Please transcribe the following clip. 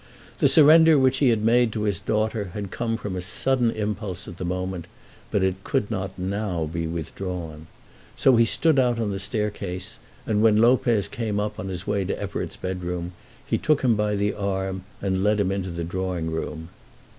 The surrender which he had made to his daughter had come from a sudden impulse at the moment, but it could not now be withdrawn. So he stood out on the staircase, and when Lopez came up on his way to Everett's bedroom, he took him by the arm and led him into the drawing room.